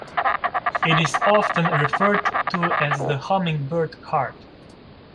It is often referred to as the Hummingbird card.